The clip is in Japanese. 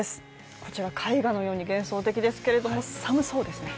こちら絵画のように幻想的ですけれども寒そうですね